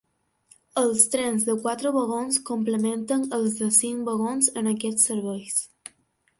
Els trens de quatre vagons complementen els de cinc vagons en aquests serveis.